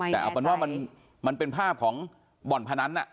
แต่เอาเป็นว่ามันเป็นภาพของบ่อนพนัน